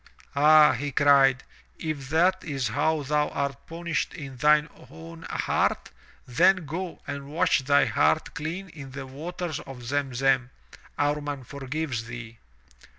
"Ah,'* he cried, '*if that is how thou art punished in thine own heart, then go and wash thy heart clean in the waters of Zem Zem. Amman forgives thee."